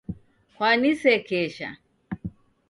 Kwanisekesha.